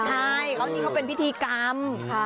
แล้วนี้เขาเป็นพิธีกรรม